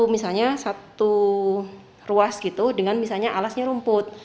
misalnya satu ruas gitu dengan misalnya alasnya rumput